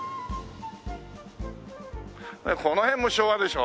この辺も昭和でしょ。